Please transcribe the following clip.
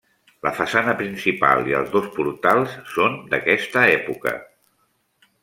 La façana principal i els dos portals són d'aquesta època.